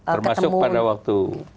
termasuk pada waktu